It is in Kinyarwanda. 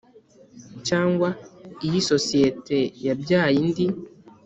cyangwa iy isosiyete yabyaye indi